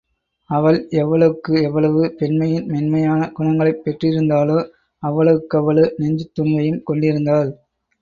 அவள் எவ்வளவுக்கு எவ்வளவு பெண்மையின் மென்மையான குணங்களைப் பெற்றிருந்தாளோ அவ்வளவுக் கவ்வளவு நெஞ்சுத் துணிவையும் கொண்டிருந்தாள்.